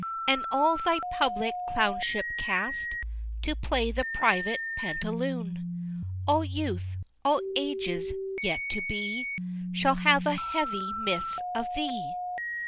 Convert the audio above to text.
And all thy public Clownship cast, To play the private Pantaloon? All youth all ages yet to be Shall have a heavy miss of thee! III.